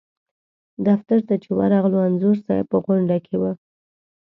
دفتر چې ورغلو انځور صاحب په غونډه کې و.